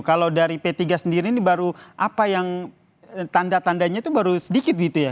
kalau dari p tiga sendiri ini baru apa yang tanda tandanya itu baru sedikit gitu ya